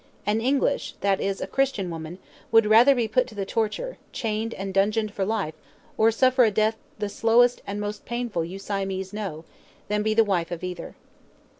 "An English, that is a Christian, woman would rather be put to the torture, chained and dungeoned for life, or suffer a death the slowest and most painful you Siamese know, than be the wife of either."